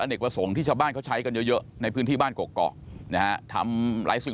เนกประสงค์ที่ชาวบ้านเขาใช้กันเยอะเยอะในพื้นที่บ้านเกาะนะฮะทำหลายสิ่ง